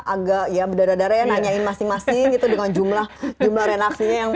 agak ya berdarah darah ya nanyain masing masing gitu dengan jumlah jumlah renaksinya yang